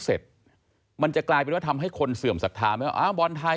และก็สปอร์ตเรียนว่าคำน่าจะมีการล็อคกรมการสังขัดสปอร์ตเรื่องหน้าในวงการกีฬาประกอบสนับไทย